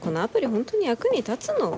本当に役に立つの？